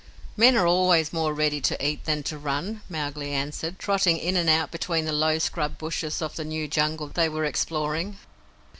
Men are always more ready to eat than to run, Mowgli answered, trotting in and out between the low scrub bushes of the new Jungle they were exploring.